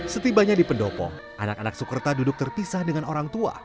setibanya di pendopo anak anak sukerta duduk terpisah dengan orang tua